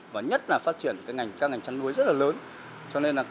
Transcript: và nhất là phát triển các ngành chăn nuôi rất là lớn